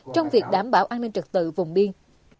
trong việc đảm bảo an ninh trật tự vùng biên